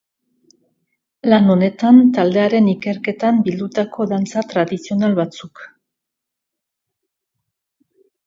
Lan honetan taldearen ikerketan bildutako dantza tradizional batzuk.